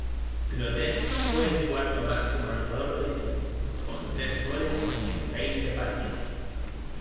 Clotet fue el cuarto máximo anotador del equipo, con tres goles en veinte partidos.